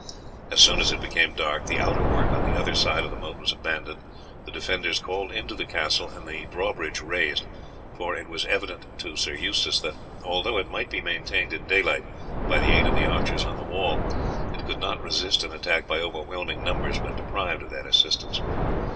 As soon as it became dark, the outwork on the other side of the moat was abandoned, the defenders called into the castle, and the drawbridge raised, for it was evident to Sir Eustace that although it might be maintained in daylight, by the aid of the archers on the wall, it could not resist an attack by overwhelming numbers when deprived of that assistance.